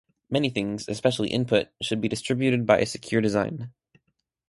Many things, especially input, should be distrusted by a secure design.